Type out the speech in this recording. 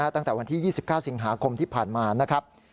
ตั้งแต่วันที่๒๙สิงหาคมที่ผ่านมานะครับ